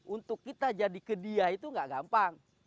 untuk kita jadi ke dia itu nggak gampang